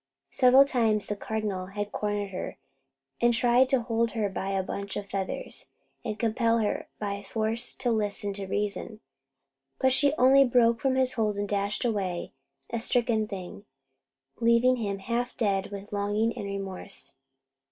Several times the Cardinal had cornered her, and tried to hold her by a bunch of feathers, and compel her by force to listen to reason; but she only broke from his hold and dashed away a stricken thing, leaving him half dead with longing and remorse.